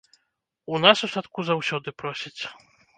У нас у садку заўсёды просяць.